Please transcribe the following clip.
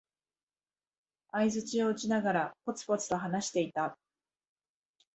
相づちを打ちながら、ぽつぽつと話していた。